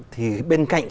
thì bên cạnh